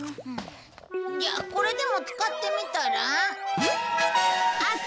じゃあこれでも使ってみたら？